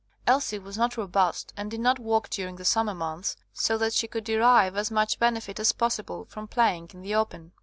Elsie was not robust, and did not work during the summer months, so that she could derive as much benefit as possible from playing in the open.